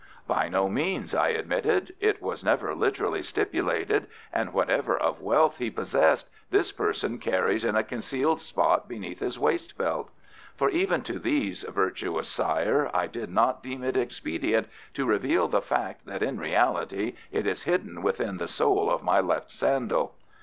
"By no means," I admitted. "It was never literally stipulated, and whatever of wealth he possesses this person carries in a concealed spot beneath his waistbelt." (For even to these, virtuous sire, I did not deem it expedient to reveal the fact that in reality it is hidden within the sole of my left sandal.)